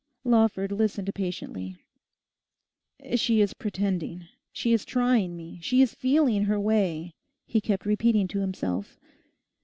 Lawford listened patiently. 'She is pretending; she is trying me; she is feeling her way,' he kept repeating to himself.